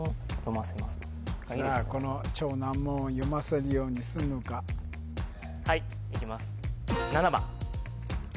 この超難問を読ませるようにすんのかはいいきます